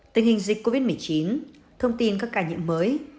tình hình dịch covid một mươi chín thông tin các ca nhiễm mới